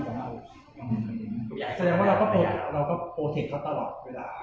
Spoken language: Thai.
อย่างแสดงว่าเราก็ปกป้องเขาตลอดเวลา